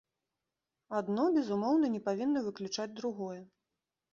Адно, безумоўна, не павінна выключаць другое.